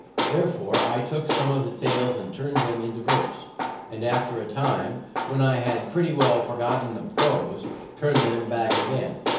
Therefore I took some of the tales and turned them into verse; and, after a time, when I had pretty well forgotten the prose, turned them back again.